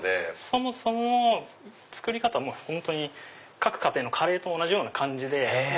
そもそも作り方も各家庭のカレーと同じような感じで。